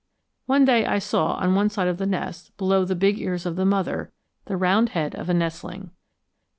One day I saw on one side of the nest, below the big ears of the mother, the round head of a nestling.